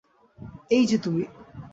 এই যে তুমি!